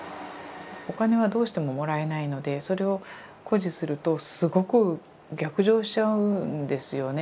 お金はどうしてももらえないのでそれを固辞するとすごく逆上しちゃうんですよね。